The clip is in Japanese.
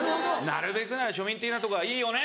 なるべくなら庶民的なとこがいいよね？